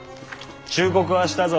忠告はしたぞ。